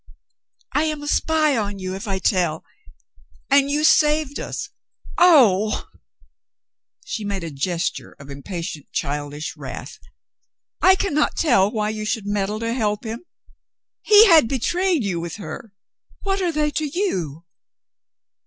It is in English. "I am a spy on you if I tell. And you saved us. Oh," she made a gesture of impatient childish wrath, "I can not tell why you should meddle to help him. He had betrayed you with her. What are they to you?"